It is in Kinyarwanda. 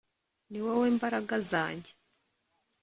Ni wowe Mbaraga zanjye